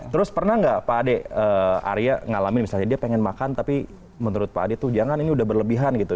terus pernah nggak pak ade arya ngalamin misalnya dia pengen makan tapi menurut pak ade tuh jangan ini udah berlebihan gitu